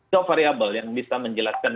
so variable yang bisa menjelaskan